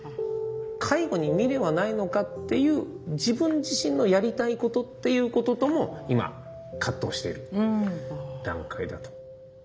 介護に未練はないのかっていう自分自身のやりたいことっていうこととも今葛藤している段階だと。